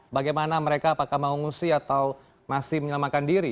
bagaimana mereka apakah mau mengungsi atau masih menyelamatkan diri